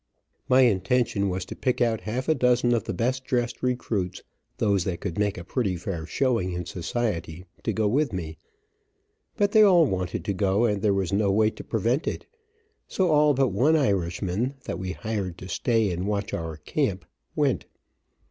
My intention was to pick out half a dozen of the best dressed, recruits, those that could make a pretty fair showing in society to go with me, but they all wanted to go, and there was no way to prevent it, so all but one Irishman, that we hired to stay and watch our camp, went.